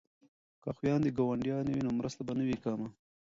که خویندې ګاونډیانې وي نو مرسته به نه وي کمه.